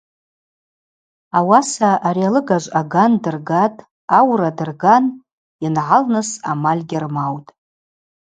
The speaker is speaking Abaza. Ауаса ари алыгажв аган дыргатӏ, аура дырган – йынгӏалныс амаль гьырмаутӏ.